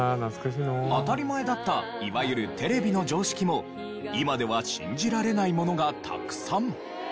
当たり前だったいわゆるテレビの常識も今では信じられないものがたくさん。